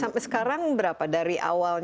sampai sekarang berapa